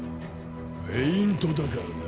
フェイントだからな。